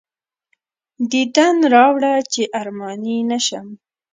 دیدن راوړه چې ارماني نه شم.